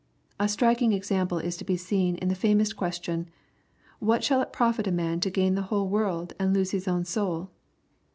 A striking example is to be seen in the famous question, " What shall it profit a man to gain the whole world and lose his own soul